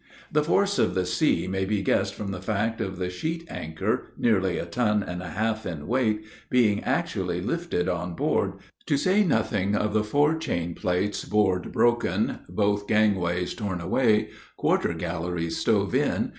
The force of the sea may be guessed from the fact of the sheet anchor, nearly a ton and a half in weight, being actually lifted on board, to say nothing of the forechain plates' board broken, both gangways torn away, quarter galleries stove in, &c.